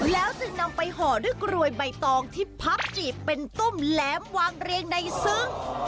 แล้วจึงนำไปห่อด้วยกรวยใบตองที่พับจีบเป็นตุ้มแหลมวางเรียงในซึ้ง